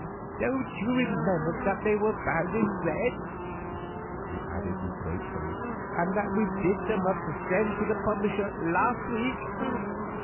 Don't you remember that they were bound in red?" he added reproachfully, "and that we did them up to send to the publisher last week?"